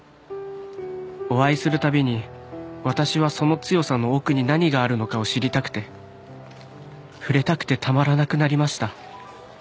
「お会いするたびに私はその強さの奥に何があるのかを知りたくて触れたくてたまらなくなりました」